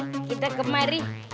gak usah ngelakuin